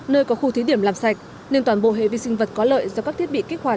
nơi có khu thí điểm làm sạch nên toàn bộ hệ vi sinh vật có lợi do các thiết bị kích hoạt